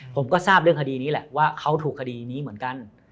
ผมก็ทราบเรื่องคดีนี้แหละว่าเขาถูกคดีนี้เหมือนกัน